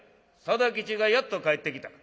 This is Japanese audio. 定吉がやっと帰ってきた。